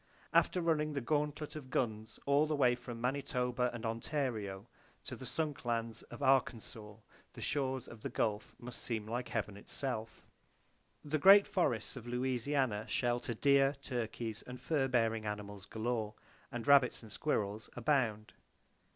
After running the gauntlet of guns all the way from Manitoba and Ontario to the Sunk Lands of Arkansas, the shores of the Gulf must seem like heaven itself. The great forests of Louisiana shelter deer, turkeys, and fur bearing animals galore; and rabbits and squirrels abound.